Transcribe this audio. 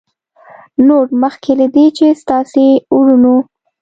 نوټ: مخکې له دې چې ستاسې وروڼو